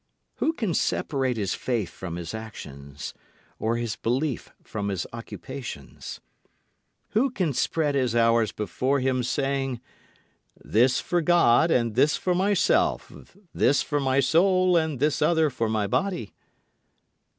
Who can separate his faith from his actions, or his belief from his occupations? Who can spread his hours before him, saying, "This for God and this for myself; This for my soul, and this other for my body?"